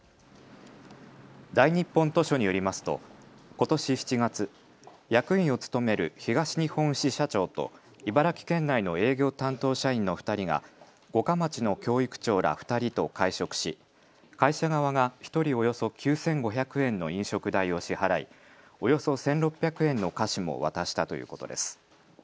大日本図書によりますとことし７月、役員を務める東日本支社長と茨城県内の営業担当社員の２人が五霞町の教育長ら２人と会食し会社側が１人およそ９５００円の飲食代を支払いおよそ１６００円の菓子も渡したということです。